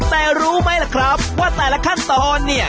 แต่รู้ไหมล่ะครับว่าแต่ละขั้นตอนเนี่ย